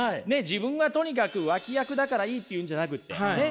自分はとにかく脇役だからいいっていうんじゃなくてね